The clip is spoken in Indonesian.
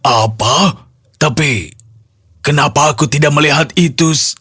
apa tapi kenapa aku tidak melihat itu